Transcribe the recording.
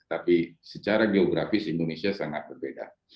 tapi secara geografis indonesia sangat berbeda